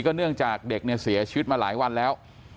เนื่องจากเด็กเนี่ยเสียชีวิตมาหลายวันแล้ว